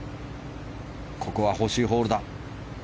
ここは欲しいホールだ。